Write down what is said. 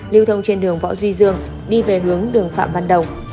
lưu thông trên đường võ duy dương đi về hướng đường phạm văn đồng